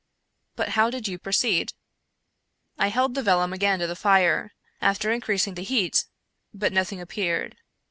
" But how did you proceed ?"" I held the vellum again to the fire, after increasing the heat, but nothing appeared.